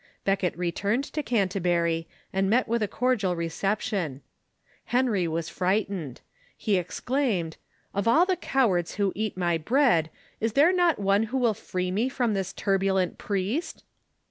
Becket returned to Canterbury, and met with a cordial reception. Henry was frightened. He exclaimed :" Of all the cowards who eat my bread, is there not one who will free me from this turbulent priest?"